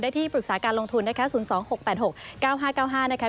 ได้ที่ปรึกษาการลงทุนสรุปนำ๒๘๖๙๕๙๕